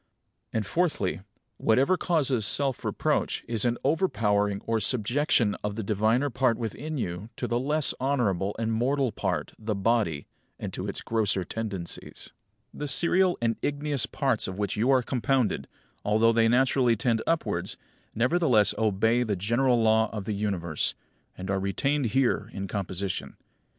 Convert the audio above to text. And, fourthly, whatever causes self reproach is an overpowering or subjection of the diviner part within you to the less honourable and mortal part, the body, and to its grosser tendencies. 20. The serial and igneous parts of which you are compounded, although they naturally tend upwards, nevertheless obey the general law of the Universe, and are retained here in composition.